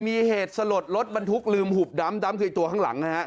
มีเหตุสลดรถบรรทุกลืมหุบดำคือตัวข้างหลังนะฮะ